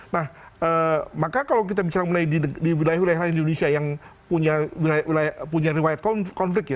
nah maka kalau kita bicara mengenai di wilayah wilayah lain di indonesia yang punya wilayah punya riwayat konflik ya